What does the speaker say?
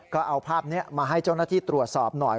ก็เอาภาพนี้มาให้เจ้าหน้าที่ตรวจสอบหน่อย